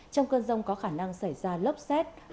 trong cơn rông có khả năng xảy ra lốc xét